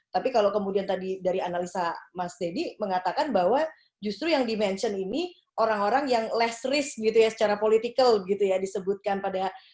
tapi kalau kemudian tadi dari analisa mas deddy mengatakan bahwa justru yang di mention ini orang orang yang less risk gitu ya secara politikal gitu ya disebutkan pada